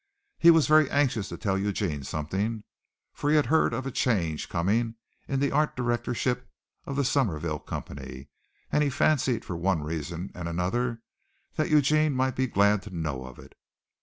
He was very anxious to tell Eugene something, for he had heard of a change coming in the art directorship of the Summerville Company and he fancied for one reason and another that Eugene might be glad to know of it.